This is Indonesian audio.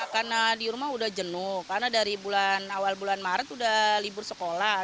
karena di rumah sudah jenuh karena dari awal bulan maret sudah libur sekolah